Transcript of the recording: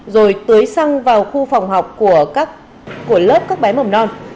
rồi tưới xăng vào khu phòng học của lớp các bé mầm non